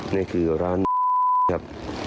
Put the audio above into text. นี่คือร้านครับ